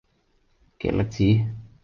極力子